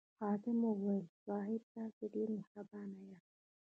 خادم وویل اوه صاحبه تاسي ډېر مهربان یاست.